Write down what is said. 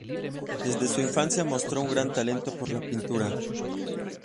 Desde su infancia mostró un gran talento por la pintura.